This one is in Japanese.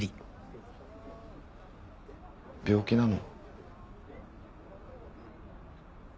病気なの？